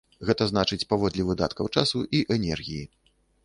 Гэта значыць, паводле выдаткаў часу і энергіі.